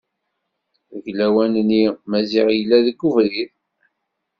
Deg lawan-nni Maziɣ yella deg ubrid.